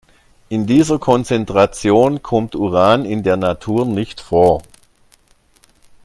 In dieser Konzentration kommt Uran in der Natur nicht vor.